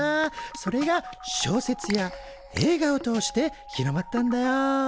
それが小説や映画を通して広まったんだよ。